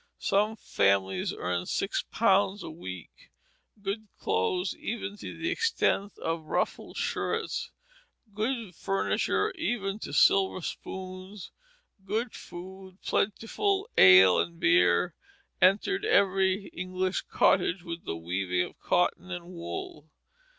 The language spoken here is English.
Some families earned six pounds a week; good clothes, even to the extent of ruffled shirts, good furniture, even to silver spoons, good food, plentiful ale and beer, entered every English cottage with the weaving of cotton and wool.